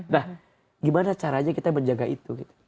nah gimana caranya kita menjaga itu